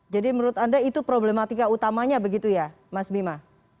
jadi menurut anda itu problematika utamanya begitu ya mas bima